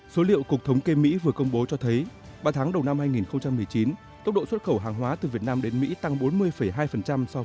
số liệu cục thống kê mỹ vừa công bố cho thấy ba tháng đầu năm hai nghìn một mươi chín tốc độ xuất khẩu hàng hóa từ việt nam đến mỹ tăng bốn mươi hai so với